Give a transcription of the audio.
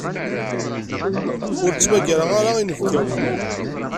Ur ttmagareɣ ara inebgiwen.